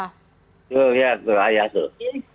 tuh lihat tuh ayah tuh